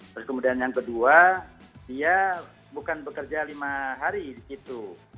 terus kemudian yang kedua dia bukan bekerja lima hari di situ